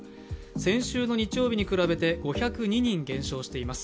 先週の日曜日に比べて５０２人減少しています。